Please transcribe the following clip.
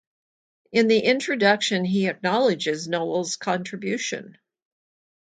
In the introduction he acknowledges Nowell's contribution.